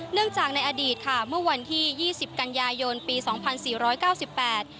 เนื่องจากในอดีตค่ะเมื่อวันที่ยี่สิบกันยายนปีสองพันสี่ร้อยเก้าสิบแปด